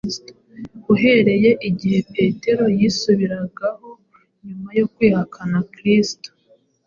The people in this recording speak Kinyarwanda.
Uhereye igihe Petero yisubiragaho nyuma yo kwihakana Kristo,